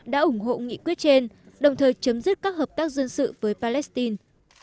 đã ủng hộ nghị quyết trên đồng thời chấm dứt các hợp tác dân sự với palestine